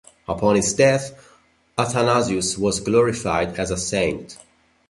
Upon his death, Athanasius was glorified as a saint.